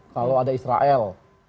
kalau ada israel